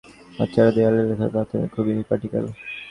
বাচ্চারা দেয়ালে লেখার ব্যাপারে খুবই পার্টিকুলার।